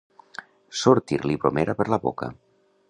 Sortir-li bromera per la boca.